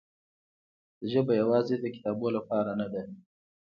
ژبه یوازې د کتابونو لپاره نه ده.